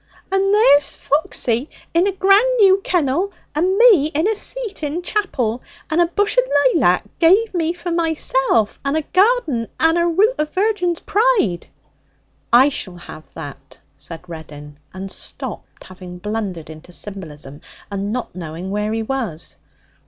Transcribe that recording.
'And there's Foxy in a grand new kennel, and me in a seat in chapel, and a bush o' laylac give me for myself, and a garden and a root o' virgin's pride.' 'I shall have that!' said Reddin, and stopped, having blundered into symbolism, and not knowing where he was.